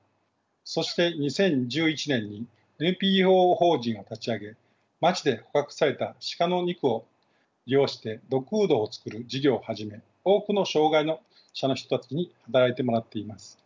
そして２０１１年にＮＰＯ法人を立ち上げ町で捕獲された鹿の肉を利用してドッグフードを作る事業を始め多くの障害者の人たちに働いてもらっています。